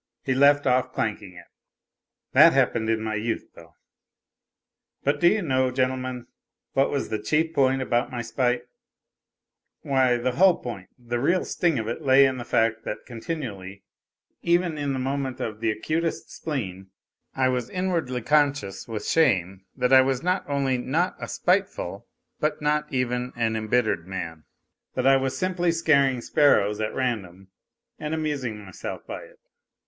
He left off clanking it. That happened in my youth, though. But do you know, gentlemen, what was the chief point about my spite ? Why, the whole point, the real sting of it lay in the fact that continually, even in the moment of the acutest spleen, I was inwardly conscious with shame that I was not only not a spiteful but not even an embittered man, that I was simply scaring sparrows at random and amusing myself by it.